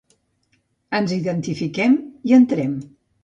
Ens identifiquem i entrem.